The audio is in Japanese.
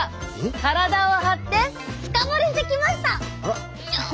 体を張ってフカボリしてきました！